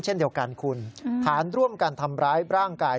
เช่นเดียวกันคุณฐานร่วมกันทำร้ายร่างกาย